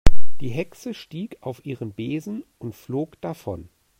Die Hexe stieg auf ihren Besen und flog davon.